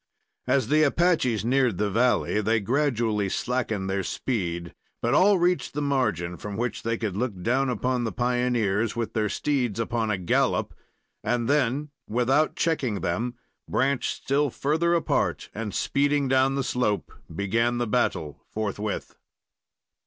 As the Apaches neared the valley, they gradually slackened their speed, but all reached the margin, from which they could look down upon the pioneers, with their steeds upon a gallop, and then, without checking them, branched still further apart, and, speeding down the slope, began the battle forthwith.